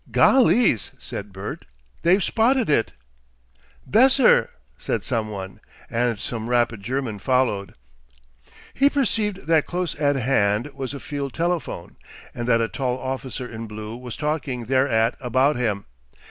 "Gollys!" said Bert. "They've spotted it." "Besser," said some one, and some rapid German followed. He perceived that close at hand was a field telephone, and that a tall officer in blue was talking thereat about him.